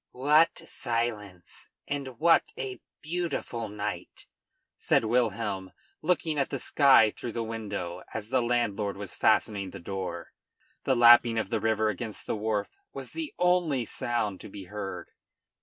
"What silence! and what a beautiful night!" said Wilhelm, looking at the sky through the window, as the landlord was fastening the door. The lapping of the river against the wharf was the only sound to be heard.